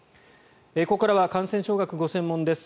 ここからは感染症学がご専門です